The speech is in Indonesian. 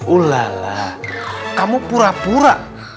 ulala kamu pura pura